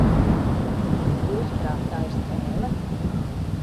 Jūsuprāt, tā ir spēle?